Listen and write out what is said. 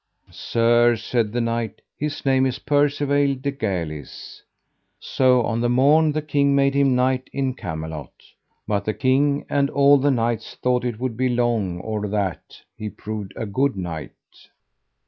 Sir, said the knight, his name is Percivale de Galis. So on the morn the king made him knight in Camelot. But the king and all the knights thought it would be long or that he proved a good knight.